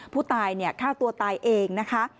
ผู้ตายฆ่าตัวตายเองนะคะ